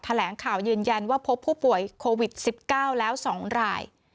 แถลงข่าวยืนยันว่าพบผู้ป่วยโควิด๑๙แล้ว๒ราย